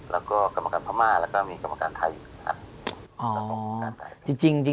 แล้วก็กรรมการพะม่าแล้วก็มีกรรมการไทยอยู่กันครับ